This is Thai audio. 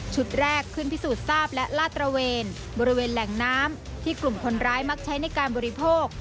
แรกขึ้นพิสูจน์ทราบและลาดตระเวนบริเวณแหล่งน้ำที่กลุ่มคนร้ายมักใช้ในการบริโภค